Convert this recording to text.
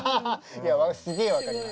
いやすげえ分かります。